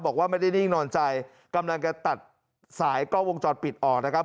บอกว่าไม่ได้นิ่งนอนใจกำลังจะตัดสายกล้องวงจรปิดออกนะครับ